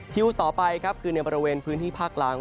ต่อไปครับคือในบริเวณพื้นที่ภาคล่าง